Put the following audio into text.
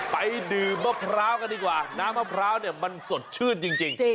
ไปดื่มมะพร้าวกันดีกว่าน้ำมะพร้าวเนี่ยมันสดชื่นจริง